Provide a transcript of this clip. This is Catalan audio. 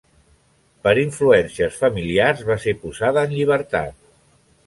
Per influències familiars va ser posada en llibertat.